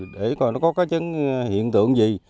để coi nó có cái chứng hiện tượng gì